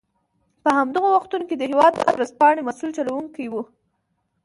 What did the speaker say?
په همدغو وختونو کې د هېواد ورځپاڼې مسوول چلوونکی و.